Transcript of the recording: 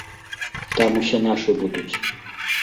Там усе нашы будуць.